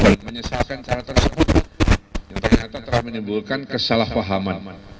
dan mengatakan cara tersebut ternyata telah menimbulkan kesalahpahaman